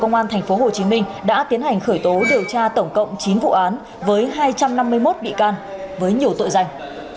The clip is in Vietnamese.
công an tp hcm đã tiến hành khởi tố điều tra tổng cộng chín vụ án với hai trăm năm mươi một bị can với nhiều tội danh